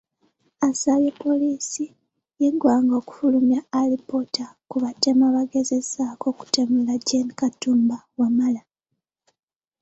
Asabye poliisi y’eggwanga okufulumya alipoota ku batemu abaagezezzaako okutemula Gen. Katumba Wamala